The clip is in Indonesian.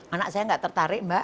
anak saya nggak tertarik mbak